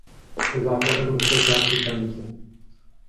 Je základem ruské části stanice.